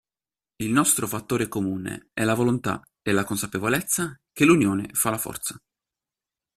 Il nostro fattore comune è la volontà e la consapevolezza che l'unione fa la forza.